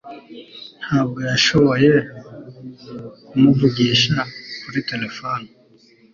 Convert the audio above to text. Ntabwo yashoboye kumuvugisha kuri terefone